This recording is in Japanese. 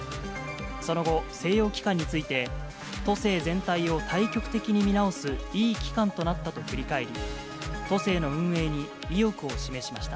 その後、静養期間について、都政全体を大局的に見直す、いい期間となったと振り返り、都政の運営に意欲を示しました。